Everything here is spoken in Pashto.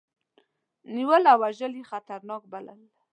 نیول او وژل یې خطرناک بلل.